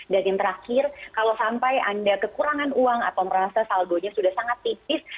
dan yang terakhir kalau sampai anda kekurangan uang atau merasa saldonya sudah sangat tipis